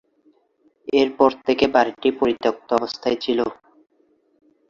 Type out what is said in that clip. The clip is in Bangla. এরপর থেকে বাড়িটি পরিত্যক্ত অবস্থায় ছিল।